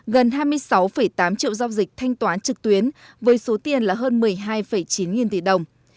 gần hai mươi sáu tám triệu giao dịch thanh toán trực tuyến với số tiền là hơn một mươi hai chín nghìn tỷ đồng